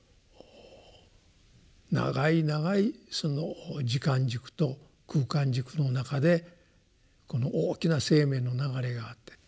長い長いその時間軸と空間軸の中でこの大きな生命の流れがあって。